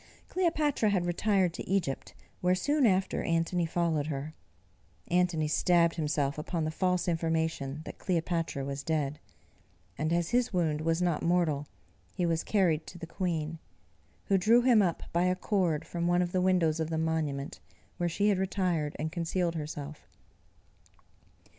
Cleopatra had retired to Egypt, where soon after Antony followed her. Antony stabbed himself upon the false information that Cleopatra was dead; and as his wound was not mortal, he was carried to the queen, who drew him up by a cord from one of the windows of the monument, where she had retired and concealed herself.